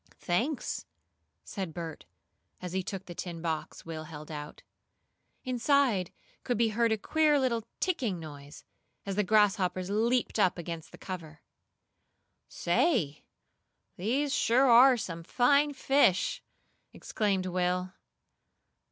"Thanks," said Bert, as he took the tin box Will held out. Inside could be heard a queer little "ticking" noise, as the grasshoppers leaped up against the cover. "Say, these are sure some fine fish!" exclaimed Will.